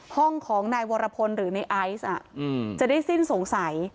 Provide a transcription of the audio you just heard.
ห้องของนายวรพลหรือในไอซ์จะได้สิ้นสงสัย